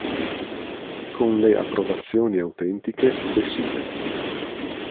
Con le approvazioni autentiche de' Sig.